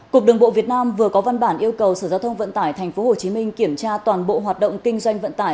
cục đường bộ việt nam vừa có văn bản yêu cầu sở giao thông vận tải tp hcm kiểm tra toàn bộ hoạt động kinh doanh vận tải